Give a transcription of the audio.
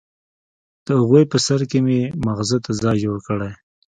د اغوئ په سر کې يې ماغزو ته ځای جوړ کړی.